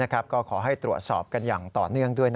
ก็ขอให้ตรวจสอบกันอย่างต่อเนื่องด้วย